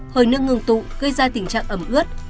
hơi nước ngừng tụ gây ra tình trạng ẩm ướt